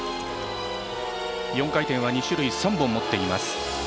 ４回転は２種類３本持っています。